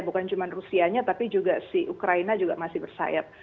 bukan cuma rusianya tapi juga si ukraina juga masih bersayap